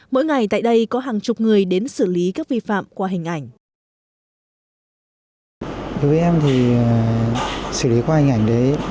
mỗi ngày tại đây có hàng chục người đến xử lý các vi phạm qua hình ảnh